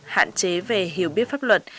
hạn chế về hiểu biết pháp luật